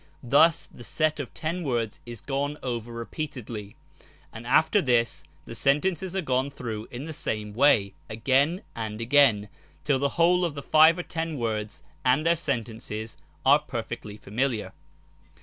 Thus the set of ten words is gone over repeatedly, and after this the sentences are gone through in the same way again and again, till the whole of the five or ten words and their sentences are perfectly familiar.